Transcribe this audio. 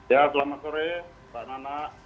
ya selamat sore mbak nana